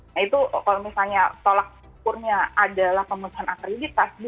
nah itu kalau misalnya tolak sekurnya adalah pembentuhan akreditasi